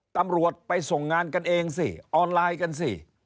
ตำรวจไปส่งงานกันเองสิออนไลน์กันสิ